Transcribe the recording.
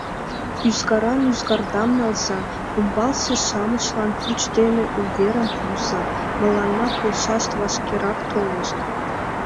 Ӱзгаран ӱзгардам налза, умбалсе-шамычлан пуч дене уверым пуыза: мыланна полшаш вашкерак толышт!»